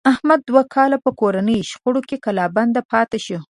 احمد دوه کاله په کورنیو شخړو کې کلا بند پاتې شو.